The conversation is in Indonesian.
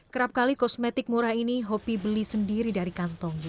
kerap kali kosmetik murah ini hopi beli sendiri dari kantongnya